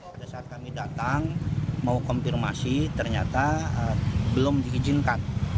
pada saat kami datang mau konfirmasi ternyata belum diizinkan